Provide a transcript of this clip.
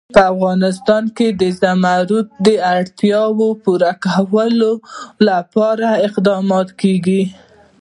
په افغانستان کې د زمرد د اړتیاوو پوره کولو لپاره اقدامات کېږي.